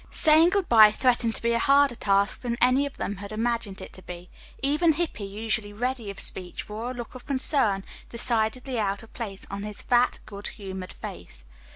Saying good bye threatened to be a harder task than any of them had imagined it to be. Even Hippy, usually ready of speech, wore a look of concern decidedly out of place on his fat, good humored face.